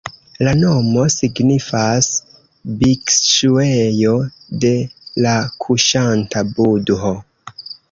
La nomo signifas "Bikŝuejo de la kuŝanta budho".